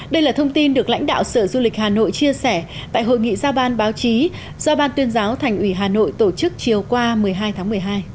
đây là thông tin được lãnh đạo sở du lịch hà nội chia sẻ tại hội nghị giao ban báo chí do ban tuyên giáo thành ủy hà nội tổ chức chiều qua một mươi hai tháng một mươi hai